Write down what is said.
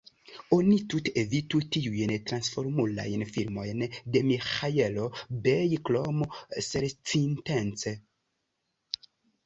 Oni tute evitu tiujn Transformulajn filmojn de Miĥaelo Bej, krom ŝercintence.